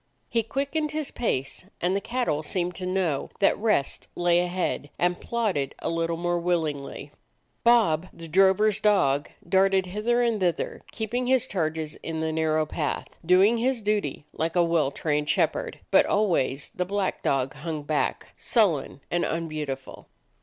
He quickened his pace, and the cattle seemed to know that rest lay ahead and plod ded a little more willingly. Bob, the drover's dog, darted hither and thither, keeping his 56 A DOG OF THE ETTRICK HILLS charges in the narrow path, doing his duty like a well trained shepherd; but always the black dog hung back, sullen and unbeautiful.